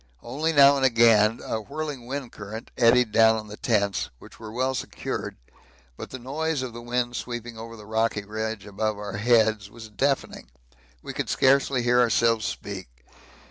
Only now and again a whirling wind current eddied down on the tents, which were well secured, but the noise of the wind sweeping over the rocky ridge above our heads was deafening; we could scarcely hear ourselves speak.